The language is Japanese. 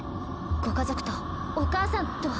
ご家族とお母さんと